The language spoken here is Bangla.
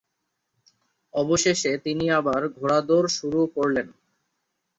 অবশেষে তিনি আবার ঘোড়াদৌড় শুরু করলেন।